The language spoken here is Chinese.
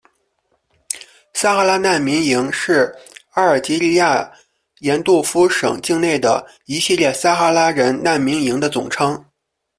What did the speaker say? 撒哈拉难民营是阿尔及利亚廷杜夫省境内的一系列撒哈拉人难民营的总称。